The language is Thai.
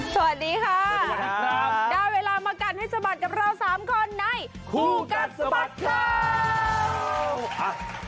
สวัสดีค่ะสวัสดีครับได้เวลามากัดให้สะบัดกับเรา๓คนในคู่กัดสะบัดข่าว